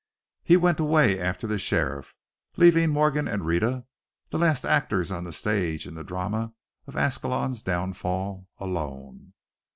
He went away after the sheriff, leaving Morgan and Rhetta, the last actors on the stage in the drama of Ascalon's downfall, alone.